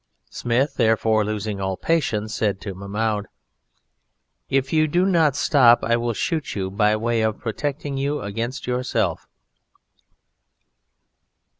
Smith, therefore, losing all patience, said to Mahmoud: "If you do not stop I will shoot you by way of protecting you against yourself."